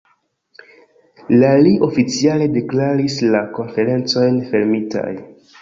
La li oficiale deklaris la Konferencojn fermitaj.